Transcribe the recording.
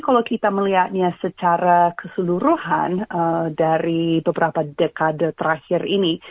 kalau kita melihatnya secara keseluruhan dari beberapa dekade terakhir ini